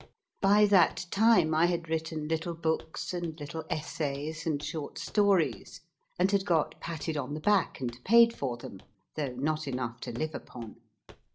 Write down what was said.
By that time, I had written little books and little essays and short stories ; and had got patted on the back and paid for them though not enough to live upon.